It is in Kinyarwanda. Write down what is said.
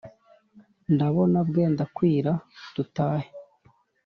ndabona bwenda kwira dutahe